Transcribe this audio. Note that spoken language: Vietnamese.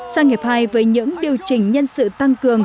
sang hiệp hai với những điều chỉnh nhân sự tăng cường